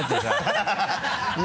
ハハハ